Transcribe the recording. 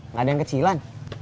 nggak ada yang kecilan